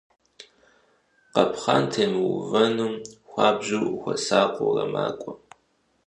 Къапхъэн темыувэным хуабжьу хуэсакъыурэ макӀуэ.